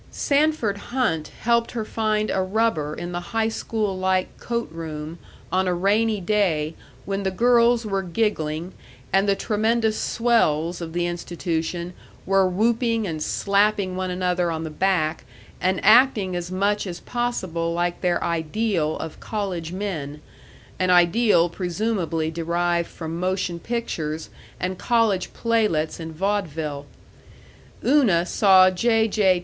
Sanford Hunt helped her find a rubber in the high school like coat room on a rainy day when the girls were giggling and the tremendous swells of the institution were whooping and slapping one another on the back and acting as much as possible like their ideal of college men an ideal presumably derived from motion pictures and college playlets in vaudeville. Una saw J. J.